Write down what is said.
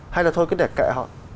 hay là thôi cứ để kệ họ